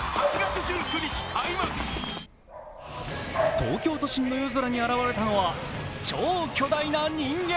東京都心の夜空に現れたのは、超巨大な人間。